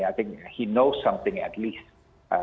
dia tahu sesuatu setidaknya